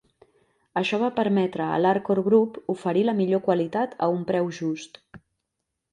Això va permetre a l'Arcor Group oferir la millor qualitat a un preu just.